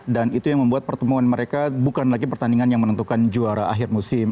dan itu yang membuat pertemuan mereka bukan lagi pertandingan yang menentukan juara akhir musim